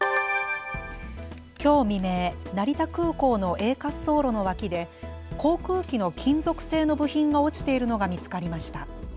きょう未明、成田空港のＡ滑走路の脇で航空機の金属製の部品が落ちているのが見つかりました。